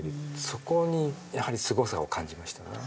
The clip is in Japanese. そこにやはりすごさを感じましたね。